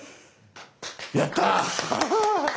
やった！